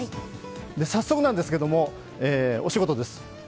早速なんですが、お仕事です。